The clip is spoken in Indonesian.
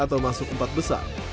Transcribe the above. atau masuk empat besar